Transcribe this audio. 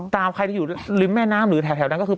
ใครที่อยู่ริมแม่น้ำหรือแถวนั้นก็คือ